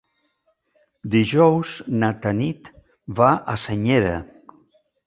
Dijous na Tanit va a Senyera.